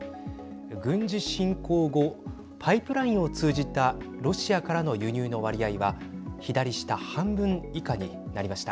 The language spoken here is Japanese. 軍事侵攻後パイプラインを通じたロシアからの輸入の割合は左下、半分以下になりました。